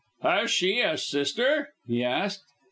"Has she a sister?" he asked.